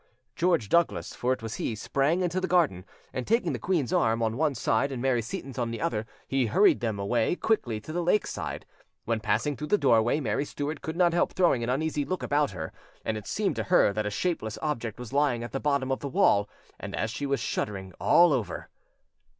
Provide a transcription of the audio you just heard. George Douglas, for it was he, sprang into the garden, and, taking the queen's arm on one side and Mary Seyton's on the other, he hurried them away quickly to the lake side. When passing through the doorway Mary Stuart could not help throwing an uneasy look about her, and it seemed to her that a shapeless object was lying at the bottom of the wall, and as she was shuddering all over.